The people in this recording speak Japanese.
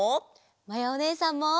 まやおねえさんも！